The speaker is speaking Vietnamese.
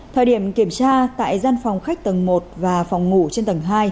thời điểm kiểm tra tại gian phòng khách tầng một và phòng ngủ trên tầng hai